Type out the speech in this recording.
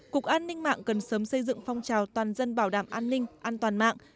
cục an ninh mạng cần sớm xây dựng phong trào toàn dân bảo đảm an ninh an toàn mạng